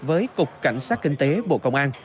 với cục cảnh sát kinh tế bộ công an